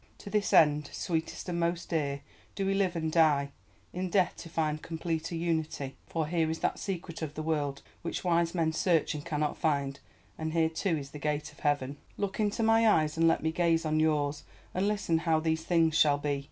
To this end, Sweetest and most dear, do we live and die, in death to find completer unity. For here is that secret of the world which wise men search and cannot find, and here too is the gate of Heaven. Look into my eyes, and let me gaze on yours, and listen how these things shall be.